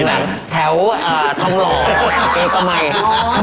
ผมตรงสตาร์ทมันอยู่